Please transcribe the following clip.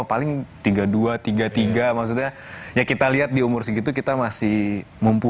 paling tiga puluh dua tiga tiga maksudnya ya kita lihat di umur segitu kita masih mampu